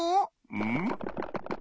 うん？